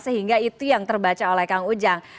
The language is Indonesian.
sehingga itu yang terbaca oleh kang ujang